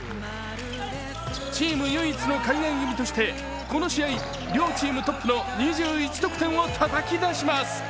チーム唯一の海外組としてこの試合、両チームトップの２１得点をたたき出します。